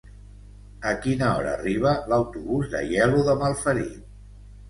A quina hora arriba l'autobús d'Aielo de Malferit?